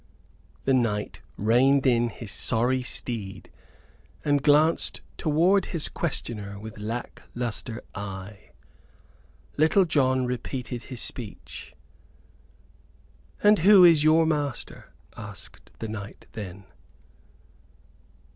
The knight reined in his sorry steed, and glanced toward his questioner with lack lustre eye. Little John repeated his speech. "And who is your master?" asked the knight then.